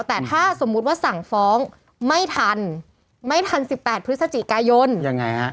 แต่ถ้าสมมุติว่าสั่งฟ้องไม่ทันไม่ทันสิบแปดพฤศจิกายนยังไงฮะ